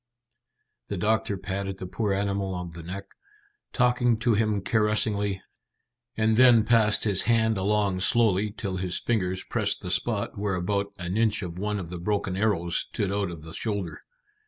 The doctor patted the poor animal on the neck, talking to him caressingly, and then passed his hand along slowly till his fingers pressed the spot where about an inch of one of the broken arrows stood out of the shoulder.